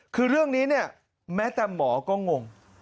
คือเรื่องนี้เนี่ยแม้แต่หมอก็งง